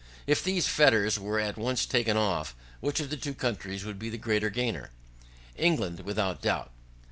If these fetters were at once taken off, which of the two countries would be the greatest gainer? England without doubt.